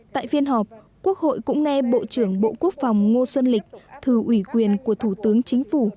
tại phiên họp quốc hội cũng nghe bộ trưởng bộ quốc phòng ngô xuân lịch thư ủy quyền của thủ tướng chính phủ